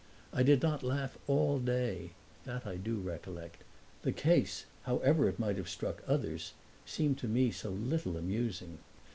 I did not laugh all day that I do recollect; the case, however it might have struck others, seemed to me so little amusing.